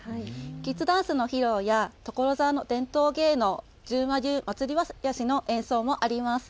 キッズダンスの披露や所沢の伝統芸能、重松流祭囃子の演奏もあります。